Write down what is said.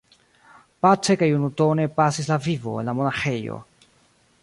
Pace kaj unutone pasis la vivo en la monaĥejo.